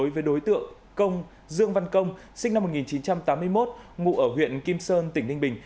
với đối tượng công dương văn công sinh năm một nghìn chín trăm tám mươi một ngụ ở huyện kim sơn tỉnh ninh bình